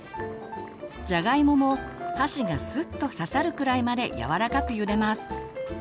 じゃがいもも箸がすっと刺さるくらいまでやわらかくゆでます。